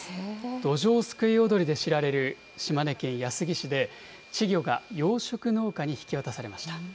どじょうすくい踊りで知られる島根県安来市で、稚魚が養殖農家に引き渡されました。